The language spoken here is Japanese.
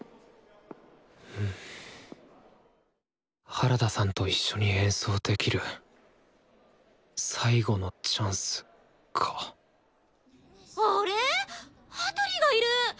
原田さんと一緒に演奏できる最後のチャンスかあれっ羽鳥がいる！